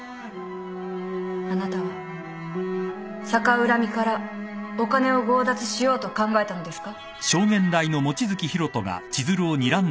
あなたは逆恨みからお金を強奪しようと考えたのですか。